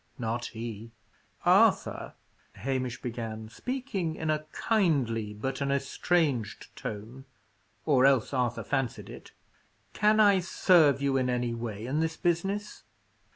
Not he! "Arthur," Hamish began, speaking in a kindly, but an estranged tone or else Arthur fancied it "can I serve you in any way in this business?"